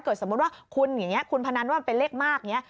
สมมุติว่าคุณอย่างนี้คุณพนันว่ามันเป็นเลขมากอย่างนี้